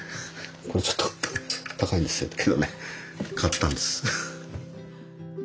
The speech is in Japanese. これちょっと高いんですけどね買ったんです。